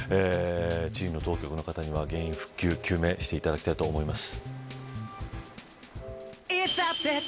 チリの当局の方には原因復旧究明をしていただきたいと思います。